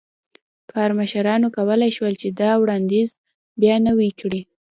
کارمشرانو کولای شول چې دا وړاندیز بیا نوی کړي.